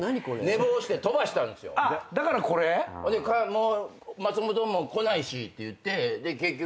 もう松本も来ないしってで結局。